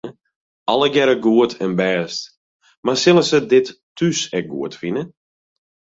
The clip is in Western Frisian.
Allegearre goed en bêst, mar sille se dit thús ek goed fine?